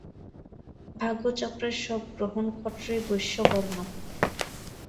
ভাগ্যচক্রের সব গ্রহনক্ষত্রই বৈশ্যবর্ণ।